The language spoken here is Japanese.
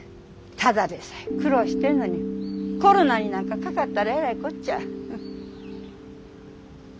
ただでさえ苦労してんのにコロナになんかかかったらえらいこっちゃ。